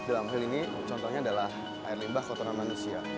dalam hal ini contohnya adalah air limbah kotoran manusia